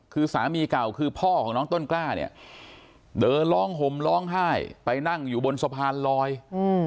คือสามีเก่าคือพ่อของน้องต้นกล้าเนี่ยเดินร้องห่มร้องไห้ไปนั่งอยู่บนสะพานลอย